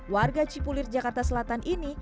warga cipulir jakarta selatan ini